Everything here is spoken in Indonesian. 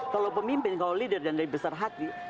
kalau pemimpin kalau leader dan dari besar hati